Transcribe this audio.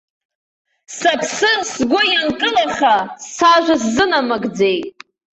Сыԥсы сгәы ианкылаха, сажәа сзынамыгӡеит.